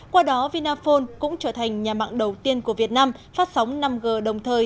qua đó vinaphone cũng trở thành nhà mạng đầu tiên của việt nam phát sóng năm g đồng thời